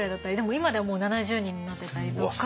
今ではもう７０人になってたりとか。